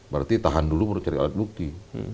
berarti tahan dulu mencari alat bukti